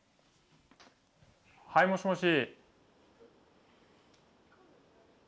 はいもしもし。